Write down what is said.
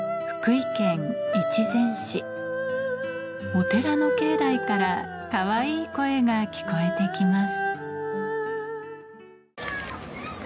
お寺の境内からかわいい声が聞こえてきます